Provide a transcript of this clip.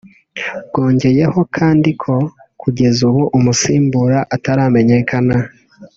Bwongeye ho kandi ko kugeza ubu umusimbura ataramenyekana